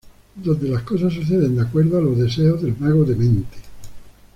Donde las cosas suceden de acuerdo a los deseos del mago demente.